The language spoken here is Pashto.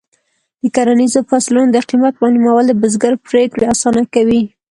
د کرنیزو فصلونو د قیمت معلومول د بزګر پریکړې اسانه کوي.